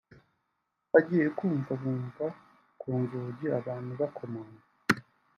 Bagiye kumva bumva ku nzugi abantu bakomanga